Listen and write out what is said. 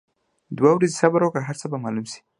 دوه ورځي صبر وکړه هرڅۀ به معلوم شي.